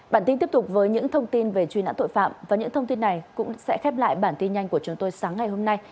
bản tin tiếp tục với những thông tin về truy nã tội phạm và những thông tin này cũng sẽ khép lại bản tin nhanh của chúng tôi sáng ngày hôm nay